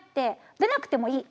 出なくてもい